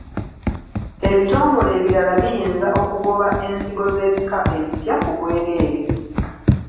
Ebitongole ebirala biyinza okugoba ensigo z’ebika ebipya ku bwereere.